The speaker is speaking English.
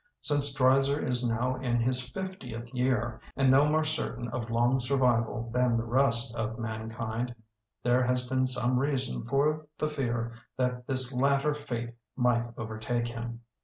Since Dreiser is now in his fiftieth year and no more certain of long survival than the rest of man kind, there has been some reason for the fear that this latter fate might overtake him.